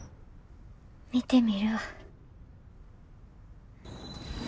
見てみるわ。